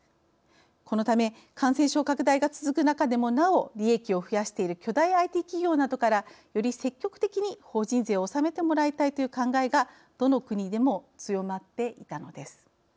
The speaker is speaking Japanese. このため感染症拡大が続く中でもなお利益を増やしている巨大ＩＴ企業などからより積極的に法人税を納めてもらいたいという考えがどの国でも強まっていたのです。